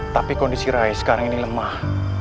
tapi kondisi rai sekarang ini lemah